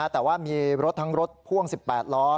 แต่ว่ามีรถทั้งรถพ่วง๑๘ล้อ